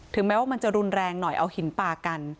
แม้ว่ามันจะรุนแรงหน่อยเอาหินปลากัน